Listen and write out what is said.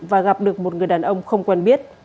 và gặp được một người đàn ông không quen biết